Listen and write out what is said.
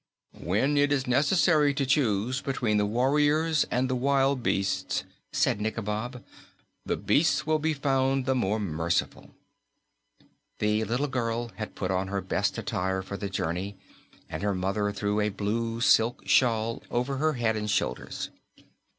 "When it is necessary to choose between the warriors and the wild beasts," said Nikobob, "the beasts will be found the more merciful." The little girl had put on her best attire for the journey and her mother threw a blue silk shawl over her head and shoulders.